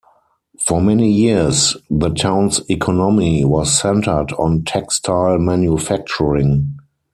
For many years, the town's economy was centered on textile manufacturing.